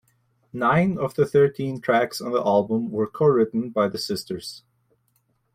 Nine of the thirteen tracks on the album were co-written by the sisters.